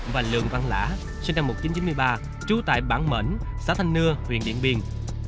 và lượng văn lã sinh năm một nghìn chín trăm chín mươi ba trú tại bảng mệnh xã thanh nưa huyện điện biên